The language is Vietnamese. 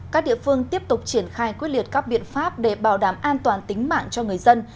các địa phương tiếp tục triển khai quyết liệt các biện pháp để bảo đảm an toàn tính mạng cho người dân